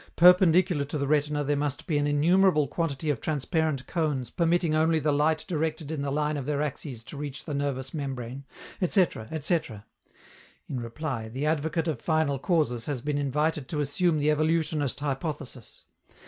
perpendicular to the retina there must be an innumerable quantity of transparent cones permitting only the light directed in the line of their axes to reach the nervous membrane," etc. etc. In reply, the advocate of final causes has been invited to assume the evolutionist hypothesis.